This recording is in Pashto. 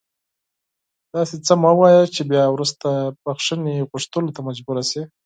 داسې څه مه وایه چې بیا وروسته بښنې غوښتلو ته مجبور شې